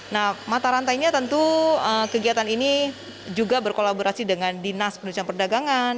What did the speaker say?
nah mata rantainya tentu kegiatan ini juga berkolaborasi dengan dinas pendidikan perdagangan